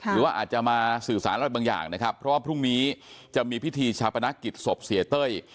หรือว่าอาจจะมาสื่อสารอะไรบางอย่างนะครับเพราะว่าพรุ่งนี้จะมีพิธีชาปนกิจศพเสียเต้ย